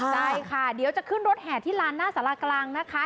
ใช่ค่ะเดี๋ยวจะขึ้นรถแห่ที่ลานหน้าสารากลางนะคะ